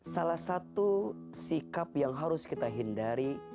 salah satu sikap yang harus kita hindari